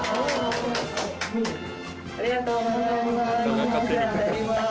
ありがとうございます。